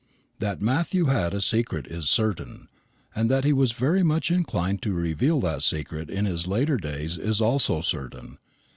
That Matthew had a secret is certain; and that he was very much inclined to reveal that secret in his later days is also certain.